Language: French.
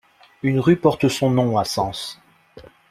Une rue porte son nom à Sens.